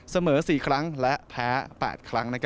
เสมอ๔ครั้งและแพ้๘ครั้ง